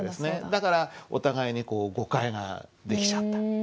だからお互いにこう誤解ができちゃった。